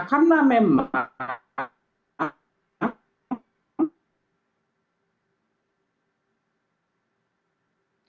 nah karena memang